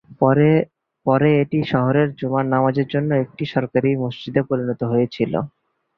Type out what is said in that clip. পরে এটি শহরের জুমার নামাজের জন্য একটি সরকারী মসজিদে পরিণত হয়েছিল।